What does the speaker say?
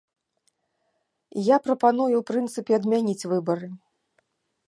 Я прапаную ў прынцыпе адмяніць выбары.